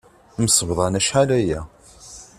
Msebḍan acḥal aya.